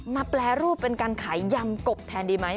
แปรรูปเป็นการขายยำกบแทนดีไหม